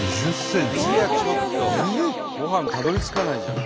ご飯たどりつかないじゃん。